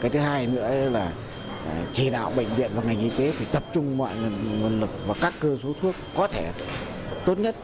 cái thứ hai nữa là chỉ đạo bệnh viện và ngành y tế phải tập trung mọi nguồn lực và các cơ số thuốc có thể tốt nhất